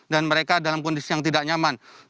dan mereka dalam kondisi yang tidak nyaman